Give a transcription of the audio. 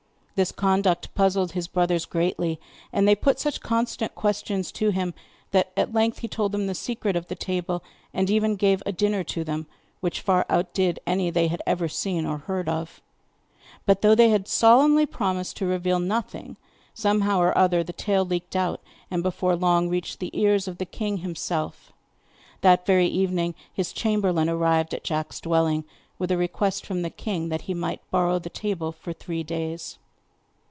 This conduct puzzled his brothers greatly, and they put such constant questions to him, that at length he told them the secret of the table, and even gave a dinner to them, which far outdid any they had ever seen or heard of. But though they had solemnly promised to reveal nothing, somehow or other the tale leaked out, and before long reached the ears of the king himself. That very evening his chamberlain arrived at Jack's dwelling, with a request from the king that he might borrow the table for three days.